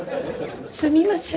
すみません。